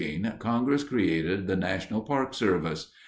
In 1916 Congress created the National Park Service.